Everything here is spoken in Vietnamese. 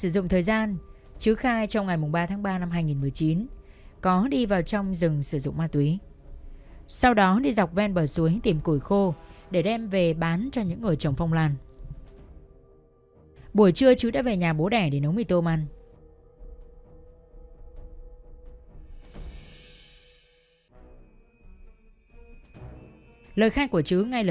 đó là thời điểm trưa ngày ba tháng ba năm hai nghìn một mươi chín chứ đã đi đâu làm gì tại sao lại có mặt gần khu vực xảy ra vụ án